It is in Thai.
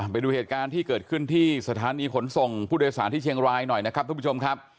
ไปดูเหตุการณ์ที่เกิดขึ้นที่สถานีขนส่งผู้โดยสารที่เชียงรายหน่อยนะครับทุกผู้ชมครับ